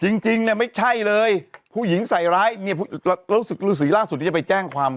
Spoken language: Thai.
จริงจริงเนี่ยไม่ใช่เลยผู้หญิงใส่ร้ายเนี่ยรู้สึกฤษีล่าสุดที่จะไปแจ้งความ